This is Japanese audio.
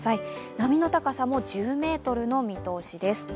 波の高さも１０ｍの見通しです。